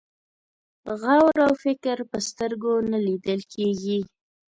غور او فکر په سترګو نه لیدل کېږي.